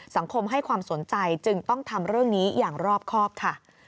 สังคมให้ความสนใจจึงต้องทำเรื่องนี้อย่างรอบครอบค่ะ